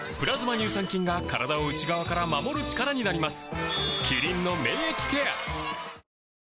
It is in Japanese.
乳酸菌が体を内側から守る力になります